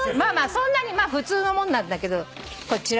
そんなに普通のもんなんだけどこちらね。